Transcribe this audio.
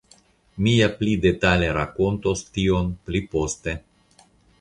Mi ja pli detale rakontos tion pli poste.